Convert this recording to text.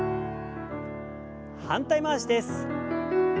反対回しです。